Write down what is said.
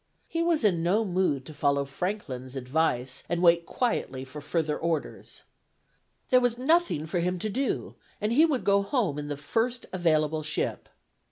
He was in no mood to follow Franklin's advice and wait quietly for further orders. There was nothing for him to do, and he would go home in the first available ship.